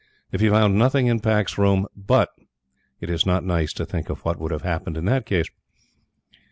If he found nothing in Pack's room.... but it is not nice to think of what would have happened in that case.